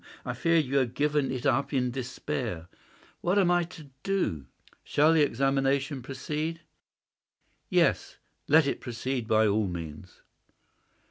I feared that you had given it up in despair. What am I to do? Shall the examination proceed?" "Yes; let it proceed by all means."